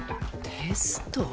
テスト？